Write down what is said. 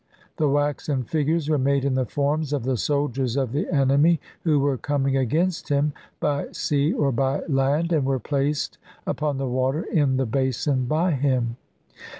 The waxen figures were made in the forms of the soldiers of the enemy who were coming against him by sea or by land, and were placed upon the water in the basin by him.